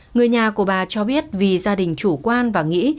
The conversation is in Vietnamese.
người nhà của bà cho biết vì gia đình chủ quan và nghĩ